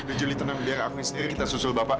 udah juli tenang biar aku sendiri kita susul bapak